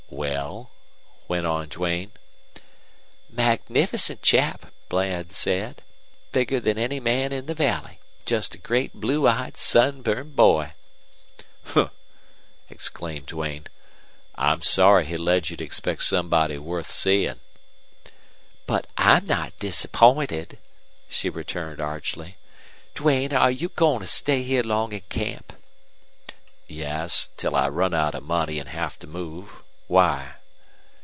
"Well?" went on Duane. "Magnificent chap, Bland said. Bigger than any man in the valley. Just a great blue eyed sunburned boy!" "Humph!" exclaimed Duane. "I'm sorry he led you to expect somebody worth seeing." "But I'm not disappointed," she returned, archly. "Duane, are you going to stay long here in camp?" "Yes, till I run out of money and have to move. Why?"